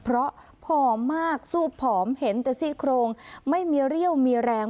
เพราะผอมมากสู้ผอมเห็นแต่ซี่โครงไม่มีเรี่ยวมีแรง